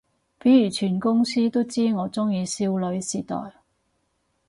譬如全公司都知我鍾意少女時代